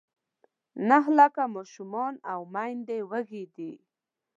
نهه لاکه ماشومان او میندې وږې دي.